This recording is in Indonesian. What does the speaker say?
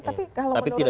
tapi kalau menurut saya